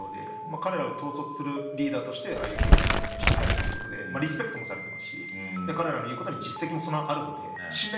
彼らを統率するリーダーとしてああいう経験ある選手が入るっていうことでリスペクトもされてますし彼らの言うことに実績もあるので信頼が違うんですよね。